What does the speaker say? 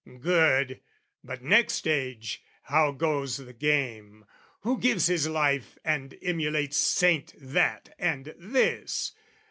Good: but next age, how goes the game, who gives His life and emulates Saint that and this?